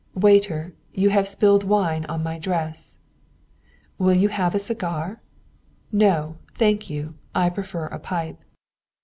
'Waiter, you have spilled wine on my dress.' 'Will you have a cigar?' 'No, thank you. I prefer a pipe.'"